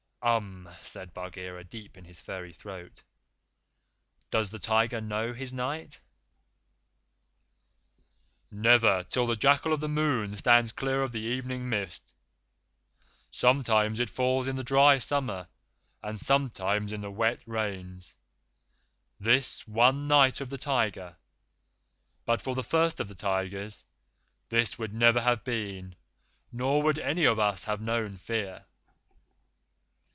"Umm!" said Bagheera deep in his furry throat. "Does the Tiger know his Night?" "Never till the Jackal of the Moon stands clear of the evening mist. Sometimes it falls in the dry summer and sometimes in the wet rains this one Night of the Tiger. But for the First of the Tigers, this would never have been, nor would any of us have known fear."